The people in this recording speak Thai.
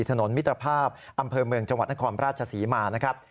ถนนมิตรภาพอำเภอเมืองจังหวัดนครราชศรีมานะครับ